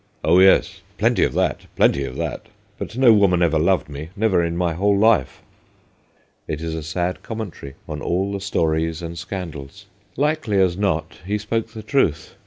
Oh, yes, plenty of that ! plenty of that ! But no woman ever loved me : never in my whole life.' It is a sad commentary on all the stories and scandals. Likely as not, he spoke the truth.